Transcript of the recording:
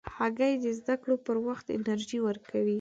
هګۍ د زده کړو پر وخت انرژي ورکوي.